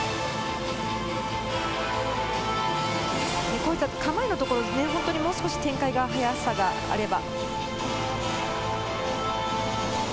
こういった構えのところ、もう少し速さがあれば。